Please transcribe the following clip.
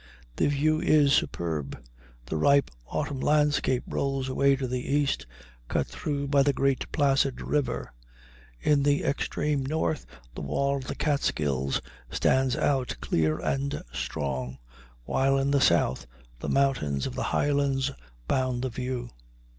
The view is superb; the ripe autumn landscape rolls away to the east, cut through by the great placid river; in the extreme north the wall of the Catskills stands out clear and strong, while in the south the mountains of the Highlands bound the view.